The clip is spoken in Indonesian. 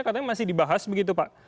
katanya masih dibahas begitu pak